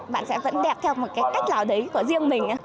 bạn sẽ vẫn đẹp theo một cái cách nào đấy của riêng mình